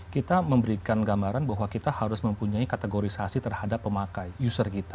kita memberikan gambaran bahwa kita harus mempunyai kategorisasi terhadap pemakai user kita